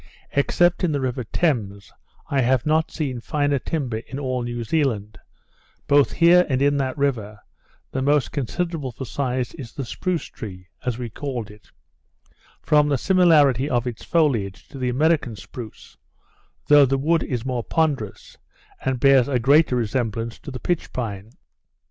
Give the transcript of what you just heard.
Except in the river Thames, I have not seen finer timber in all New Zealand; both here and in that river, the most considerable for size is the Spruce tree, as we called it, from the similarity of its foliage to the American spruce, though the wood is more ponderous, and bears a greater resemblance to the pitch pine.